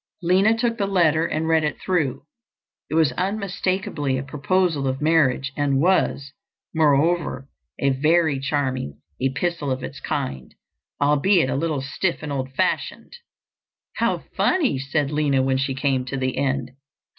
Lina took the letter and read it through. It was unmistakably a proposal of marriage and was, moreover, a very charming epistle of its kind, albeit a little stiff and old fashioned. "How funny!" said Lina when she came to the end.